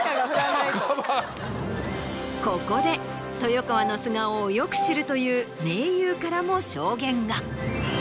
ここで豊川の素顔をよく知るという盟友からも証言が。